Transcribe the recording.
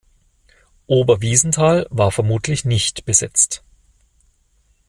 Oberwiesenthal war vermutlich nicht besetzt.